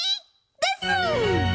です！